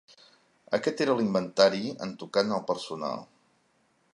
Aquest era l'inventari, en tocant al personal